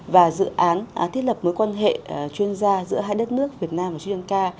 và dự án thiết lập mối quan hệ chuyên gia giữa hai đất nước việt nam và sri lanka